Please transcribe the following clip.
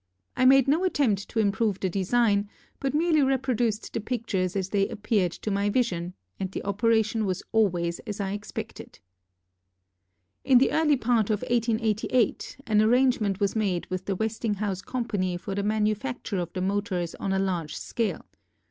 I made no attempt to improve the design, but merely reproduced the pictures as they appeared to my vision and the operation was always as I expected. In the early part of 1888 an arrangement was made with the Westinghouse Company for the manufacture of the motors on a large scale.